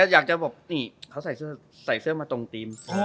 อยากจะบอกนี่เขาใส่เสื้อมาตรงทีม